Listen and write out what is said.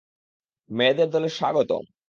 মেয়েদের দলে স্বাগতম!